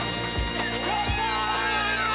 やった！